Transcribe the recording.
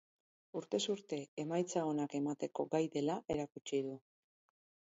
Urtez urte emaitza onak emateko gai dela erakutsi du.